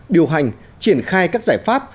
điều hành triển khai các giải pháp